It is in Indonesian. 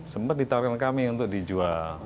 sempat ditawarkan kami untuk dijual